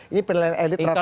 ini penilaian elit rata rata